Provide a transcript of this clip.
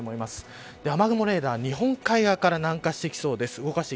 雨雲レーダー、日本海側から南下してきそうです。